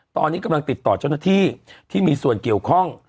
ตอนนี้กำลังติดต่อเจ้าหน้าที่ที่มีส่วนเกี่ยวข้อง